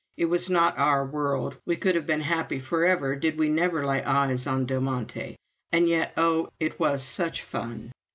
It was not our world, we could have been happy forever did we never lay eyes on Del Monte, and yet, oh, it was such fun!